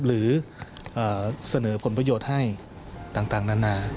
หรือเสนอผลประโยชน์ให้ต่างนานา